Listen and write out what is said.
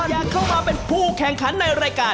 อยากเข้ามาเป็นผู้แข่งขันในรายการ